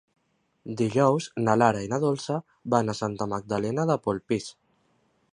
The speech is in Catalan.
Dijous na Lara i na Dolça van a Santa Magdalena de Polpís.